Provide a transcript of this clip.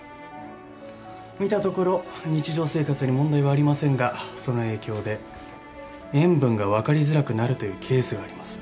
見たところ日常生活に問題はありませんがその影響で塩分が分かりづらくなるというケースがあります。